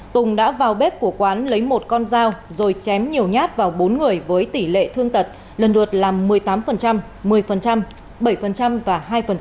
tùng đã vào bếp của quán lấy một con dao rồi chém nhiều nhát vào bốn người với tỷ lệ thương tật lần lượt là một mươi tám một mươi bảy và hai